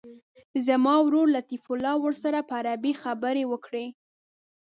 زما ورور لطیف الله ورسره په عربي خبرې وکړي.